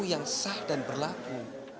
yang sah dan berlaku